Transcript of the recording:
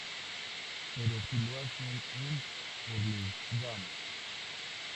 Pero si lo hacen en Hurlingham.